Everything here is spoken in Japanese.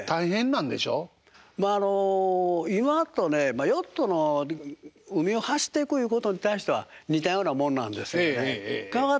まああの今とねヨットの海を走っていくいうことに対しては似たようなもんなんですけどね変わってきたのは